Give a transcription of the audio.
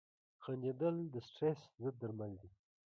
• خندېدل د سټرېس ضد درمل دي.